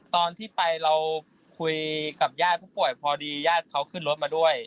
ตอนที่ไปเราคุยกับญาติผู้ป่วยพอดีญาติเขาขึ้นรถมาด้วย